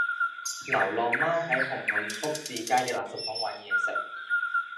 流浪貓喺紅磡福至街嘅垃圾桶搵野食